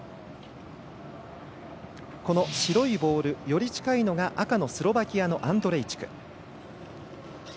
この白いボール、より近いのが赤のスロバキア、アンドレイチク。